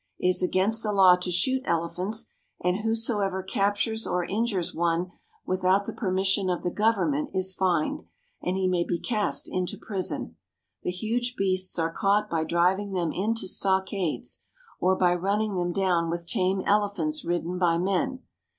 It is against the law to shoot elephants, and whosoever captures or injures one with out the permission of the government is fined, and he may be cast into prison. The huge beasts are caught by driv mg them into stockades, or by running them down with tame elephants ridden by men.